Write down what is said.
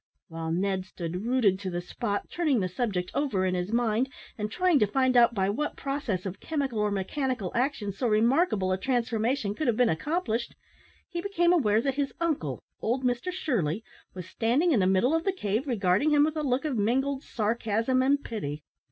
While Ned stood rooted to the spot, turning the subject over in his mind, and trying to find out by what process of chemical or mechanical action so remarkable a transformation could have been accomplished, he became aware that his uncle, old Mr Shirley, was standing in the middle of the cave regarding him with a look of mingled sarcasm and pity.